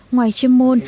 ngoài chuyên môn